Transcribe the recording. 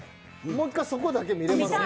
もう１回そこだけ見れますか？